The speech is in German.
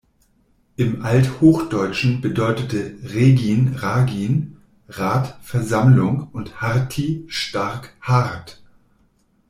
Im Althochdeutschen bedeutete "regin, ragin" "Rat, Versammlung" und "harti" "stark, hart".